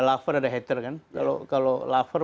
lover ada hater kan kalau kalau lover